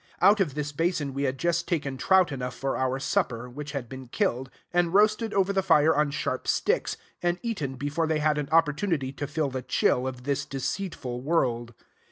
Out of this basin we had just taken trout enough for our supper, which had been killed, and roasted over the fire on sharp sticks, and eaten before they had an opportunity to feel the chill of this deceitful world.